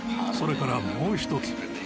それからもう一つ。